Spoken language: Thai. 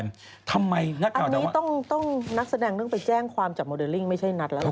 อันนี้ต้องนักแสดงต้องไปแจ้งความจับโมเดลลิ่งไม่ใช่นัดแล้วล่ะ